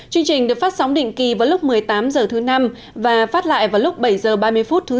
chương trình được phát sóng định kỳ vào lúc một mươi tám h thứ năm và phát lại vào lúc bảy h ba mươi phút thứ sáu